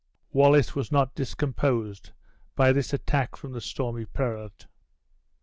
Wallace was not discomposed by this attack from the stormy prelate.